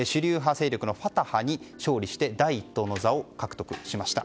政党のファタハに勝利をして第一党の座を獲得しました。